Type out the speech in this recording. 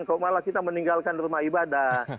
kok malah kita meninggalkan rumah ibadah